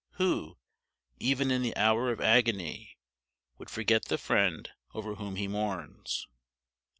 Who, even in the hour of agony, would forget the friend over whom he mourns?